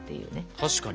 確かに。